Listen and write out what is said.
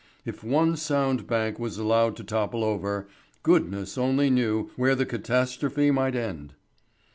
If one sound bank was allowed to topple over, goodness only knew where the catastrophe might end.